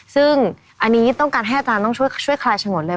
ซึ่งอันนี้ต้องการให้อาจารย์ต้องช่วยคลายฉงวนเลย